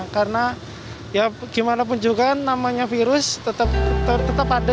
karena ya gimana pun juga namanya virus tetap ada